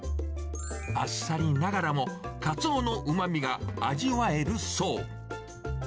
あっさりながらも、カツオのうまみが味わえるそう。